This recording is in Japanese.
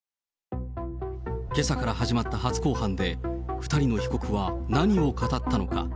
けさから始まった初公判で、２人の被告は何を語ったのか。